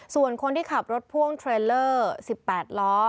ส่วนคนที่ขับรถพ่วงเทรลเลอร์๑๘ล้อ